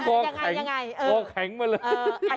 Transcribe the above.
ก็แข็งมาเลย